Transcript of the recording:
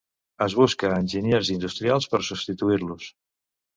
Es busca enginyers industrials per substituir-los.